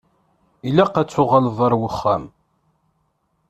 Ilaq ad tuɣaleḍ ar wexxam.